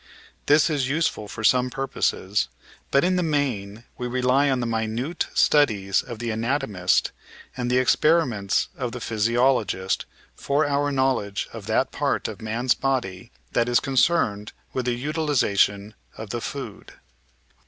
This is useful for some purposes, but in the main we rely on the minute studies of the anatomist and the experiments of the physiologist for our knowledge of that part of man's body that is concerned with the utilisation of the food.